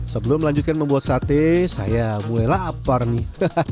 sebelum melanjutkan membuat sate saya mulai lapar nih